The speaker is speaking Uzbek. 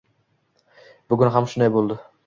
Bugun ham shunday bo‘ldi.